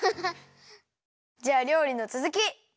じゃありょうりのつづき！